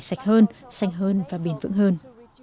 sạch hơn xanh hơn và bền vững hơn